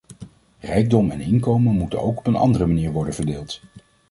Rijkdom en inkomen moeten ook op een andere manier worden verdeeld.